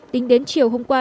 tính đến chiều hôm qua